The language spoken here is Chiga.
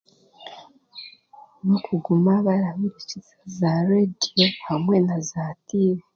N'okuguma barahurikiza za reediyo hamwe naza tiivi